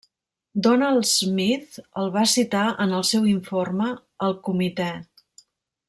Donald Smith el va citar en el seu informe al Comitè.